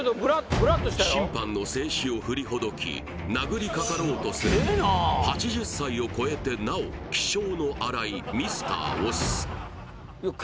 審判の制止を振りほどき殴りかかろうとする８０歳を超えてなお気性の荒いミスター押忍